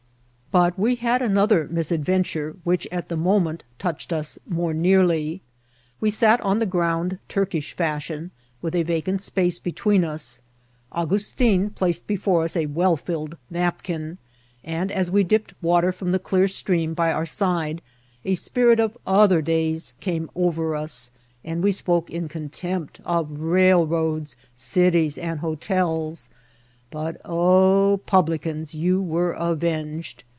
But we had another misadventure, which, at the moment, touched us more nearly. We sat on the ground, Turkish fashion, with a vacant space between us. Augustin placed before us a well filled napkin; and, as we dipped water from the clear stream by our side, a spirit of other days came over us, and we spoke in contempt of railroads, cities, and hotels; but oh, publicans, you were avenged.